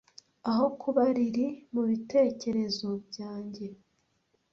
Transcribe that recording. aho kuba lili mubitekerezo byanjye